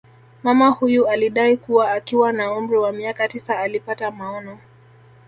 Mama huyu alidai kuwa akiwa na umri wa miaka tisa alipata maono